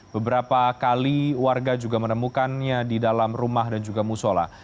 beberapa kali warga juga menemukannya di dalam rumah dan juga musola